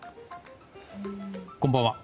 こんばんは。